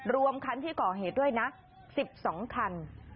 รวมคันที่ก่อเหตุด้วยนะ๑๒คัน